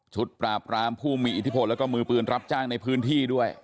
ปราบรามผู้มีอิทธิพลแล้วก็มือปืนรับจ้างในพื้นที่ด้วย